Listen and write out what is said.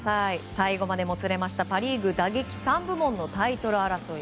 最後までもつれましたパ・リーグ打撃３部門のタイトル争い。